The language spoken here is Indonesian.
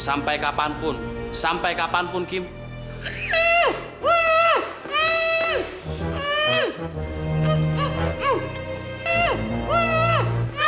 sampai kapanpun sampai kapanpun gimi